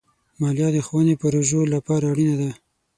مالیه د ښوونې پروژو لپاره اړینه ده.